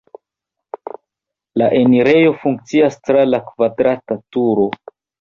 La enirejo funkcias tra la kvadrata turo.